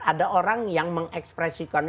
ada orang yang mengekspresikannya